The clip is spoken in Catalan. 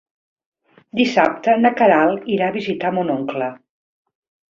Dissabte na Queralt irà a visitar mon oncle.